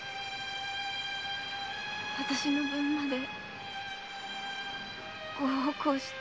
あたしの分までご奉公して。